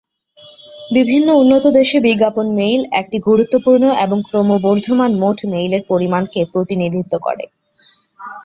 বিভিন্ন উন্নত দেশে বিজ্ঞাপন মেইল একটি গুরুত্বপূর্ণ এবং ক্রমবর্ধমান মোট মেইলের পরিমাণকে প্রতিনিধিত্ব করে।